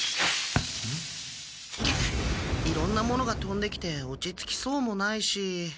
いろんなものがとんできて落ち着きそうもないし。